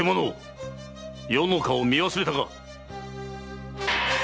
余の顔を見忘れたか！